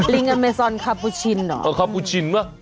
ริงอะเมซนครับปูชิน